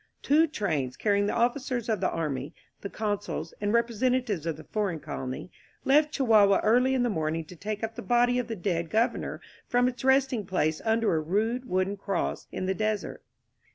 Two trains, carrying the officers of the army, the consuls and repre sentatives of the foreign colony, left Chihuahua early in the morning to take up the body of the dead Gov ernor from its resting place under a rude wooden cross in the desert.